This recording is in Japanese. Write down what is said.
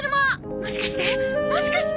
もしかしてもしかして！